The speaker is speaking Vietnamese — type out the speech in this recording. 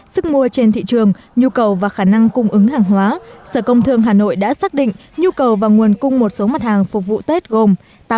sức mua trên thị trường nhu cầu và khả năng cung ứng hàng hóa sở công thương hà nội đã xác định nhu cầu và nguồn cung một số mặt hàng phục vụ tết gồm